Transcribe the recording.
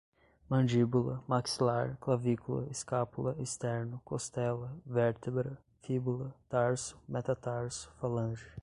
mandíbula, maxilar, clavícula, escápula, esterno, costela, vértebra, fíbula, tarso, metatarso, falange